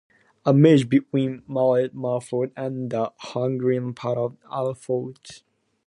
A merge between "Malert", "Maefort" and the Hungarian part of "Aeroflot".